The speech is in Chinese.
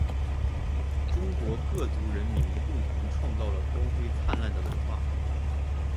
中国各族人民共同创造了光辉灿烂的文化